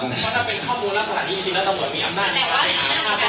เขาสามารถให้เราได้เลยแมนบัง